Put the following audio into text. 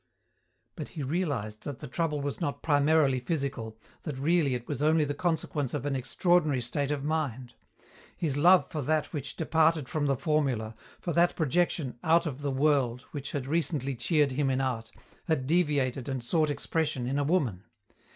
But he realized that the trouble was not primarily physical, that really it was only the consequence of an extraordinary state of mind. His love for that which departed from the formula, for that projection out of the world which had recently cheered him in art, had deviated and sought expression in a woman.